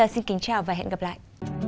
xin chào và hẹn gặp lại